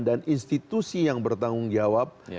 dan institusi yang bertanggung jawab